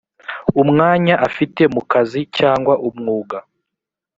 umwanya afite mu kazi cyangwa umwuga